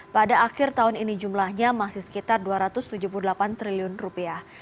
pada akhir tahun ini jumlahnya masih sekitar dua ratus tujuh puluh delapan triliun rupiah